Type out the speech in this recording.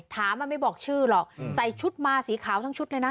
ถามมันไม่บอกชื่อหรอกใส่ชุดมาสีขาวทั้งชุดเลยนะ